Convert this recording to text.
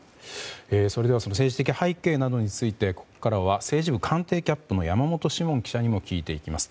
その政治的背景などについて、ここからは政治部官邸キャップの山本志門記者にも聞いていきます。